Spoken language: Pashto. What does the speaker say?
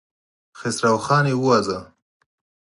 خسروخان يې وواژه.